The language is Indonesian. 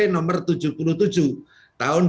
nomor tujuh puluh tujuh tahun dua ribu sembilan belas